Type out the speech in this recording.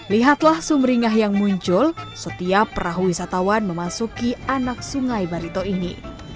lihatlah sumringah yang muncul setiap perahu wisatawan memasuki anak sungai barito ini